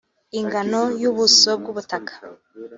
ingano y’ubuso bw’ubutaka